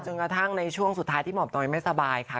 กระทั่งในช่วงสุดท้ายที่ห่อมตอยไม่สบายค่ะ